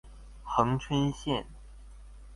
恆春線